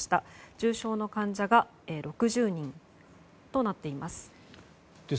重症の患者が６０人となっています。